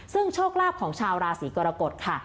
ซึ่งโชคลาภของชาวราศีกรกฎค่ะ